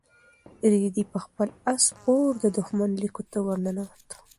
رېدي په خپل اس سپور د دښمن لیکو ته ورننوت.